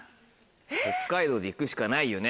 北海道で行くしかないよね。